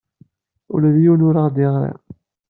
Ula d yiwen ur aɣ-d-yeɣri.